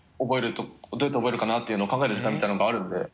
どうやって覚えるかな？っていうの考える時間みたいなのがあるんで。